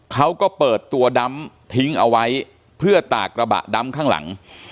เขาก็เปิดตัวดำทิ้งเอาไว้เพื่อตากกระบะดำข้างหลัง